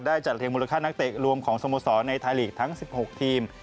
จัดเรียงมูลค่านักเตะรวมของสโมสรในไทยลีกทั้ง๑๖ทีม